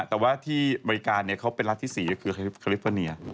แต่ว่าที่อเมริกาเนี่ยเขาเป็นรัฐที่๔คือแคลฟอเนีย